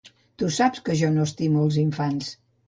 Tu saps que jo no estimo els infants.